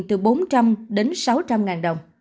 từ bốn trăm linh sáu trăm linh đồng